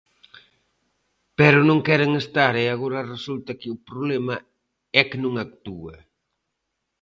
Pero non queren estar e agora resulta que o problema é que non actúa.